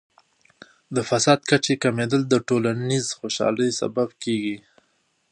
د فساد کچې کمیدل د ټولنیز خوشحالۍ سبب کیږي.